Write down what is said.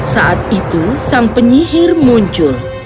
saat itu sang penyihir muncul